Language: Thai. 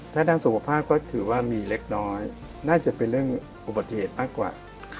ถ้าด้านสุขภาพก็ถือว่ามีเล็กน้อยน่าจะเป็นเรื่องอุบัติเหตุมากกว่า